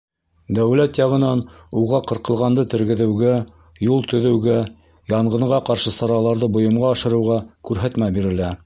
Дәүләт яғынан уға ҡырҡылғанды тергеҙеүгә, юл төҙөүгә, янғынға ҡаршы сараларҙы бойомға ашырыуға күрһәтмә бирелә.